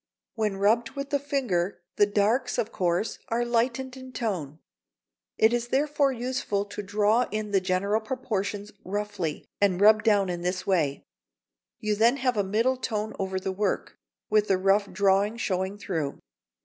When rubbed with the finger, the darks, of course, are lightened in tone. It is therefore useful to draw in the general proportions roughly and rub down in this way. You then have a middle tone over the work, with the rough drawing showing through.